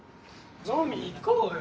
飲み行こうよ。